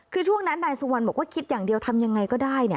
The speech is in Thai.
คือช่วงนั้นนายสุวรรณบอกว่าคิดอย่างเดียวทำยังไงก็ได้